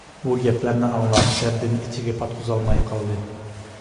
بۇ گەپلەرنى ئاڭلاپ، دەردىنى ئىچىگە پاتقۇزالماي قالدى.